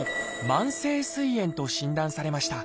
「慢性すい炎」と診断されました。